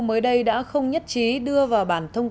mới đây đã không nhất trí đưa vào bản thông